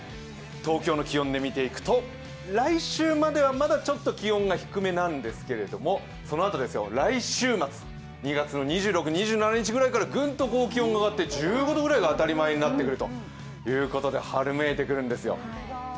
東京の気温で見ていくと、来週まではまだ気温が低めなんですけれども、そのあと来週末、２月２６、２７日ぐらいからぐんと気温が上がって１５度ぐらいが当たり前になってくるので春めいてくるんですよ。